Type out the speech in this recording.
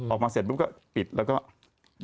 ออกมาเสร็จปุ๊บก็ปิดแล้วก็